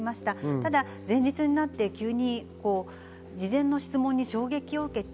ただ前日になって事前の質問に衝撃を受けて